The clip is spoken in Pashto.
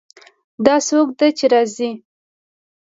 دا څوک ده چې راځي